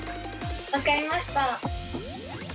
分かりました。